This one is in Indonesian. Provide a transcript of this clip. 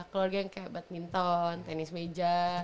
keluarga yang kayak badminton tenis meja